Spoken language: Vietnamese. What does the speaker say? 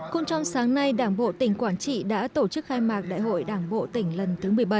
cùng trong sáng nay đảng bộ tỉnh quảng trị đã tổ chức khai mạc đại hội đảng bộ tỉnh lần thứ một mươi bảy